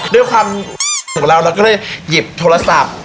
ด้วยความหัวเราเราก็เลยหยิบโทรศัพท์